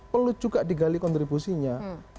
perlu juga digali kontribusinya